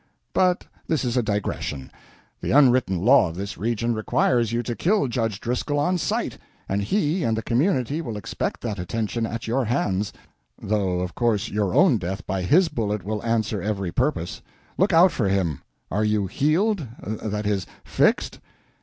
But this is a digression. The unwritten law of this region requires you to kill Judge Driscoll on sight, and he and the community will expect that attention at your hands though of course your own death by his bullet will answer every purpose. Look out for him! Are you heeled that is, fixed?"